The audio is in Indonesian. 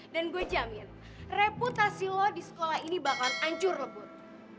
dan gue jamin reputasi lo di sekolah ini bakalan hancur lebur